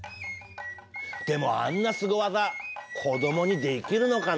でもあんなスゴ技子どもにできるのかな？